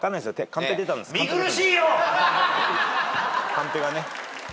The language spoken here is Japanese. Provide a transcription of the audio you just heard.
カンペがね。